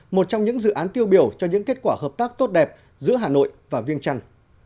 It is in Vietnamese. một trong những dự án tiêu biểu cho những kết quả hợp tác tốt đẹp giữa hà nội và viêng trăn